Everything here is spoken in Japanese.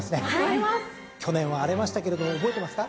去年は荒れましたけれども覚えてますか？